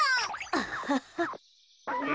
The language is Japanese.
アハハ。